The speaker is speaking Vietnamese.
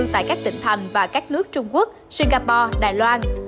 tại các tỉnh thành và các nước trung quốc singapore đài loan